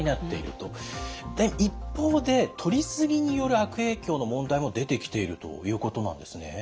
で一方でとりすぎによる悪影響の問題も出てきているということなんですね？